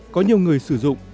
có nhiều người sử dụng